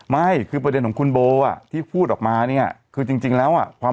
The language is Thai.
ไม่คือประเด็นของคุณโบอ่ะที่พูดออกมาเนี่ยคือจริงแล้วอ่ะความ